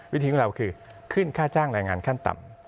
วิธีของเราคือขึ้นค่าจ้างแรงงานขั้นต่ำ